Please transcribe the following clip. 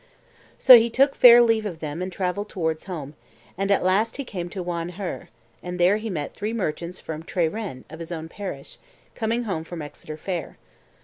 So he took fair leave of them and travelled towards home, and at last he came to Wayn Her, and there he met three merchants from Tre Rhyn, of his own parish, coming home from Exeter Fair.